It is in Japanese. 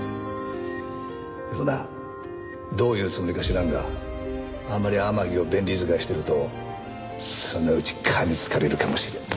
でもなどういうつもりか知らんがあんまり天樹を便利使いしてるとそのうち噛みつかれるかもしれんぞ。